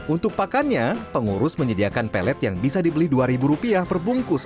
untuk pakannya pengurus menyediakan pelet yang bisa dibeli rp dua perbungkus